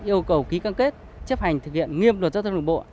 yêu cầu ký can kết chấp hành thực hiện nghiêm luật giao thông đồng bộ